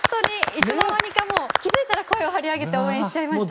いつの間にか声を張り上げて応援しちゃいましたね。